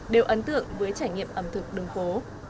đều ấn tượng với trải nghiệm ẩm thực đường phố